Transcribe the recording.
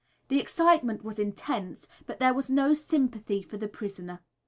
The excitement was intense, but there was no sympathy for the prisoner.